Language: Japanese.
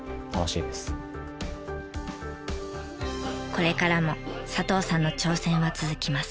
これからも佐藤さんの挑戦は続きます。